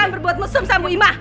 berbuat mesum sama bu ima